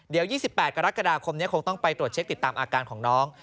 เดี๋ยว๒๘กรกฎาคมนี้คงต้องไปตรวจเช็คติดตามอาการของน้อง